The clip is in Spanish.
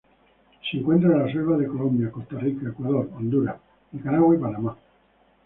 Se encuentra en las selvas de Colombia, Costa Rica, Ecuador, Honduras, Nicaragua y Panamá.